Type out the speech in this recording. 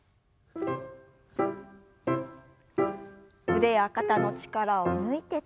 腕や肩の力を抜いて。